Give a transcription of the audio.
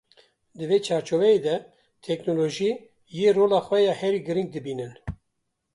Di vê çarçoveyê de, teknolojî ye rola xwe ya herî girîng dibînin.